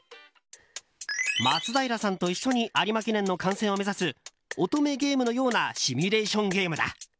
松平さんと一緒に有馬記念の観戦を目指す乙女ゲームのようなシミュレーションゲームだ。